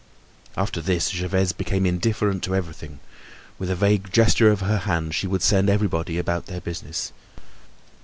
After this, Gervaise became indifferent to everything. With a vague gesture of her hand she would send everybody about their business.